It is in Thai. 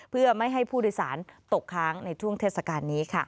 เพื่อไม่ให้ผู้โดยสารตกค้างในช่วงเทศกาลนี้ค่ะ